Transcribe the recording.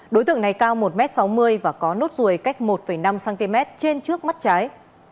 đối tượng này cao một m sáu mươi và có nốt ruồi cách một năm cm trên trước mắt trái